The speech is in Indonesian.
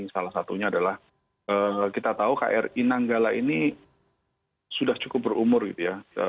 salah satunya adalah kita tahu kri nanggala ini sudah cukup berumur gitu ya